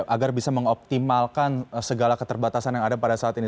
agar bisa mengoptimalkan segala keterbatasan yang ada pada saat ini